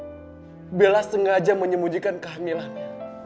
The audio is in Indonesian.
bagaimana kalau bella sengaja menyembunyikan kehamilannya